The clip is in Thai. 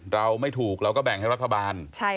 เราไม่ถูกเราก็แบ่งให้รัฐบาล